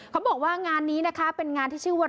เขาบอกว่างานนี้นะคะเป็นงานที่ชื่อว่า